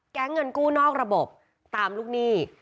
เงินกู้นอกระบบตามลูกหนี้